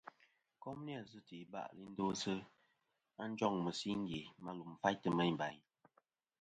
Kom ni-a zɨ̀ iba'lɨ i ndosɨ a njoŋ mɨsingè ma lum faytɨ meyn bayn.